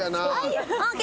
ＯＫ！